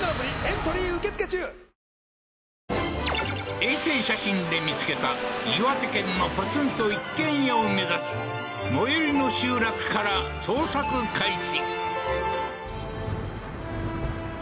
衛星写真で見つけた岩手県のポツンと一軒家を目指し最寄りの集落から捜索開始